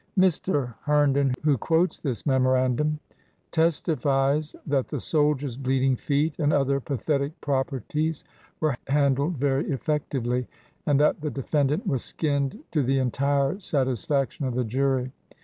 Mr. Herndon, who quotes this memorandum, testifies that the soldiers' bleeding feet and other pathetic properties w T ere handled very effectively, and that the defendant was skinned to the entire satisfaction of the jury.